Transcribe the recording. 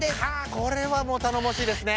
これはもう頼もしいですね。